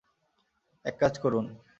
এক কাজ করুন।